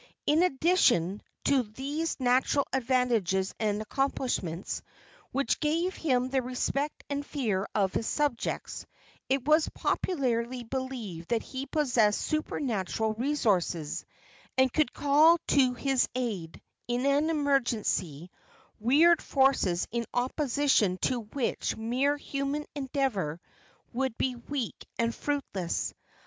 In addition to these natural advantages and accomplishments, which gave him the respect and fear of his subjects, it was popularly believed that he possessed supernatural resources, and could call to his aid, in an emergency, weird forces in opposition to which mere human endeavor would be weak and fruitless.